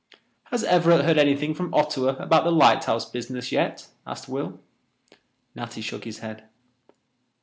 "Has Everett heard anything from Ottawa about the lighthouse business yet?" asked Will. Natty shook his head.